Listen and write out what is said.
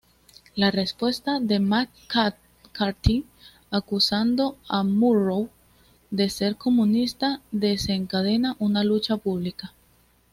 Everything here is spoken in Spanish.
La respuesta de McCarthy acusando a Murrow de ser comunista desencadenan una lucha pública.